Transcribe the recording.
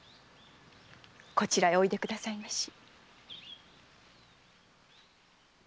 こちらへおいでくださいまし。